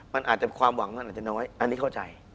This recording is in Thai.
มันอาจจะความหวังมันอาจจะน้อยอันนี้เข้าใจ